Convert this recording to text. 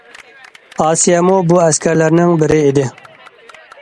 ئاسىيەمۇ بۇ ئەسكەرلەرنىڭ بىرى ئىدى.